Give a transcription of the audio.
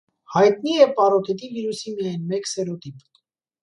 Հայտնի է պարօտիտի վիրուսի միայն մեկ սերոտիպ։